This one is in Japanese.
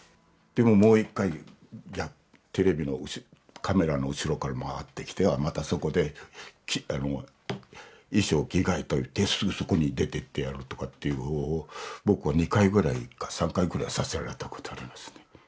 でももう一回テレビのカメラの後ろから回ってきてはまたそこで衣装を着替えといてそこに出ていってやるとかっていうのを僕は２回ぐらいか３回くらいさせられたことありますね。